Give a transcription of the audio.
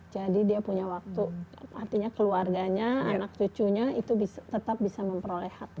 dia punya waktu artinya keluarganya anak cucunya itu tetap bisa memperoleh hati